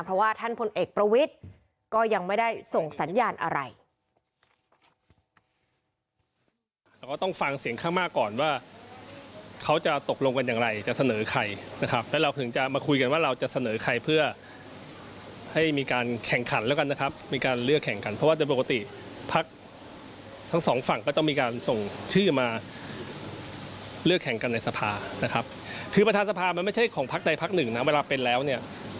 เพราะว่าท่านพลเอกประวิทย์ก็ยังไม่ได้ส่งสัญญาณอะไร